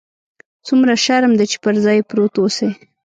څومره شرم دى چې پر ځاى پروت اوسې.